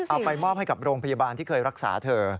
เอาไปมอบให้กับโรงพยาบาลที่เคยรักษาเธอ